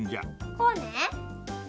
こうね。